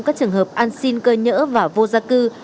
các trường hợp an sinh cơ nhỡ và vô gia cư